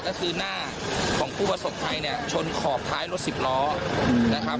ก็คือหน้าของผู้ประสบภัยเนี่ยชนขอบท้ายรถสิบล้อนะครับ